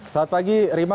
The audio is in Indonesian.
selamat pagi rima